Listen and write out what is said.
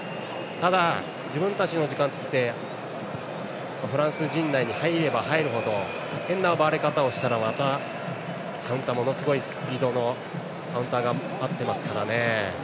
ただ、自分たちの時間を作ってフランス陣内に入れば入るほど変な奪われ方をしたら、またものすごいスピードのカウンターが待っていますから。